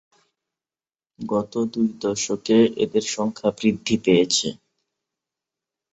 গত দুই দশকে এদের সংখ্যা বৃদ্ধি পেয়েছে।